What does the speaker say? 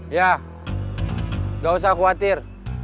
iya gak usah khawatir